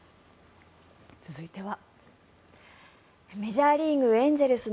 続いては。